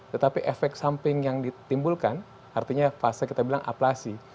tetapi efek samping yang ditimbulkan artinya fase kita bilang aplasi